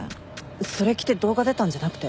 それ着て動画出たんじゃなくて？